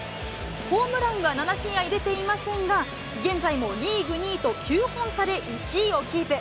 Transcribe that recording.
ホームランは７試合出ていませんが、現在もリーグ２位と９本差で１位をキープ。